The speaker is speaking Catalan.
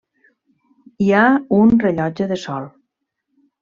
Hi ha un rellotge de sol.